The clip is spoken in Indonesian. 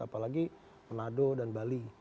apalagi nado dan bali